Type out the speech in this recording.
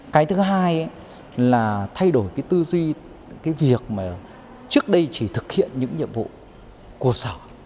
cái thứ hai là thay đổi tư duy việc trước đây chỉ thực hiện những nhiệm vụ của sở